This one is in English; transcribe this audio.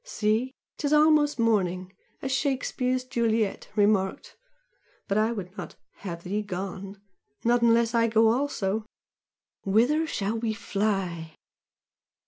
"See? ''Tis almost morning!' as Shakespeare's Juliet remarked but I would not 'have thee gone' not unless I go also. Whither shall we fly?"